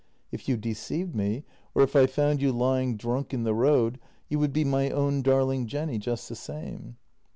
If you deceived me or if I found you lying drunk in the road, you would be my own darling Jenny just the same.